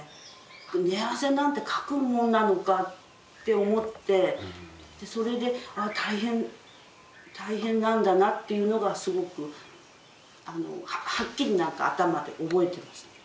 寝汗なんてかくもんなのかって思ってそれで大変なんだなっていうのがすごくはっきりなんか頭で覚えてますね。